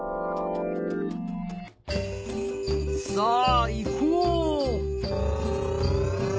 さあ行こう！